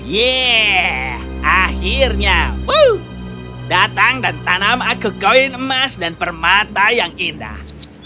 yeay akhirnya wuh datang dan tanam aku koin emas dan permata yang indah